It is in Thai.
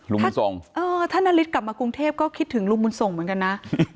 ลุงบุญส่งเออถ้านาริสกลับมากรุงเทพก็คิดถึงลุงบุญส่งเหมือนกันนะ